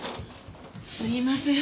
すみません。